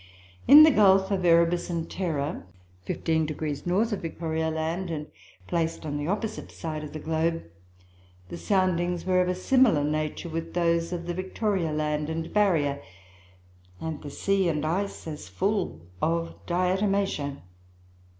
In the Gulf of Erebus and Terror, fifteen degrees north of Victoria Land, and placed on the opposite side of the globe, the soundings were of a similar nature with those of the Victoria Land and Barrier, and the sea and ice as full of Diatomaceoe.